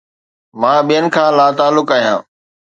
مان ٻين کان لاتعلق آهيان